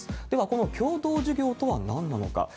では、この共同事業とはなんなのか。